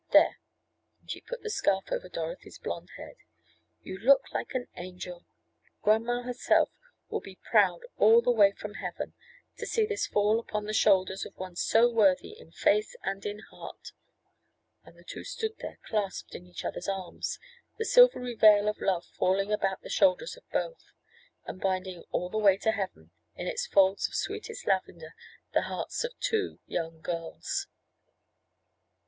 There," and she put the scarf over Dorothy's blond head, "you look like an angel. Grandma herself will be proud all the way from heaven, to see this fall upon the shoulders of one so worthy in face and in heart," and the two stood there clasped in each other's arms, the silvery veil of love falling about the shoulders of both, and binding "all the way to heaven," in its folds of sweetest lavender the hearts of two young girls.